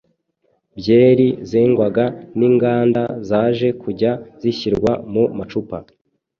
Byeri zengwaga n’inganda zaje kujya zishyirwa mu macupa